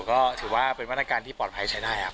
ก็ถือว่าเป็นมาตรการที่ปลอดภัยใช้ได้ครับ